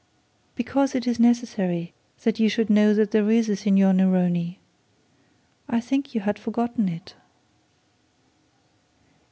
'Because it is necessary that you should know that there is a Signor Neroni. I think you had forgotten it.'